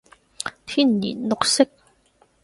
天然綠色